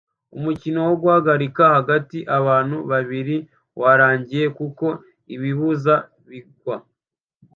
Umukino wo guhagarika hagati yabantu babiri warangiye kuko ibibuza bigwa